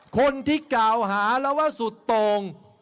คนที่กล่าวหาแล้วว่าสุดตรง